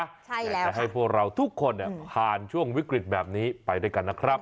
ใช่แล้วจะให้พวกเราทุกคนเนี่ยผ่านช่วงวิกฤตแบบนี้ไปด้วยกันนะครับ